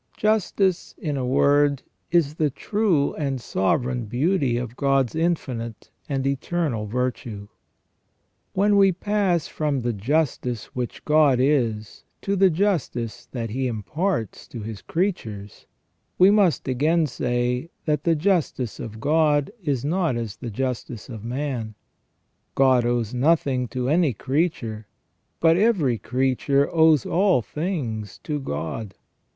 Justice, in a word, is the true and sovereign beauty of God's infinite and eternal virtue. When we pass from the justice which God is to the justice that He imparts to His creatures, we must again say, that the justice of God is not as the justice of man ; God owes nothing to any creature, but every creature owes all things to God.